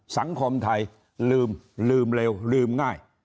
สังคมไทยลืมลืมเร็วลืมง่าย